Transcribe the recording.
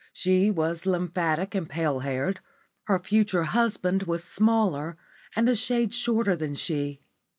She was lymphatic and pale haired; her future husband was smaller and a shade shorter than she.